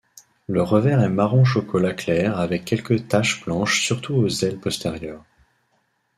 Le revers est marron chocolat clair avec quelques taches blanches surtout aux ailes postérieures.